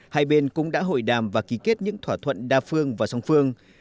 hai bên cũng đã hội đàm và ký kết những thỏa thuận đa phương và song phương